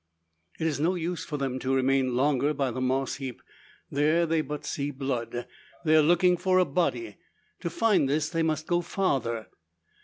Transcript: It is no use for them to remain longer by the moss heap. There they but see blood; they are looking for a body. To find this they must go farther.